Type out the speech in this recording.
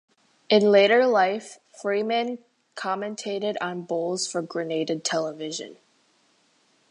In later life Freeman commentated on bowls for Granada Television.